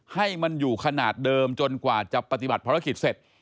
ให้มันอยู่ขนาดเดิมจนกว่าจะปฏิบัติภารกิจเสร็จ